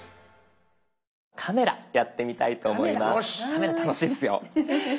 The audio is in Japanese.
カメラ楽しいですよ。